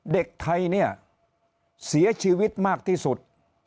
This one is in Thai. เด็กไทยเนี่ยเสียชีวิตมากที่สุด